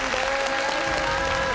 お願いします。